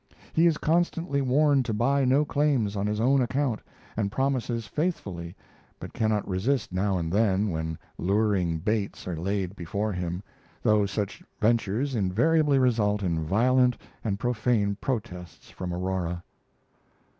He is constantly warned to buy no claims on his own account and promises faithfully, but cannot resist now and then when luring baits are laid before him, though such ventures invariably result in violent and profane protests from Aurora.